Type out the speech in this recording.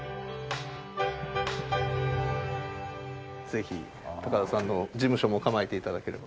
ぜひ高田さんの事務所も構えて頂ければ。